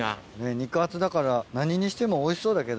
肉厚だから何にしてもおいしそうだけどね。